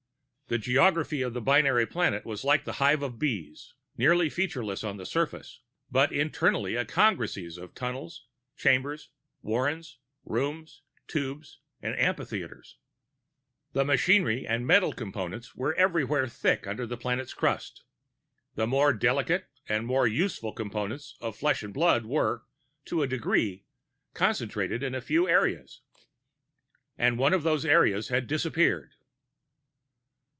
The geography of the binary planet was like a hive of bees, nearly featureless on the surface, but internally a congeries of tunnels, chambers, warrens, rooms, tubes and amphitheaters. Machinery and metal Components were everywhere thick under the planet's crust. The more delicate and more useful Components of flesh and blood were, to a degree, concentrated in a few areas.... And one of those areas had disappeared.